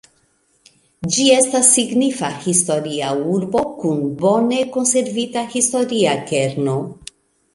Ĝi estas signifa historia urbo kun bone konservita historia kerno.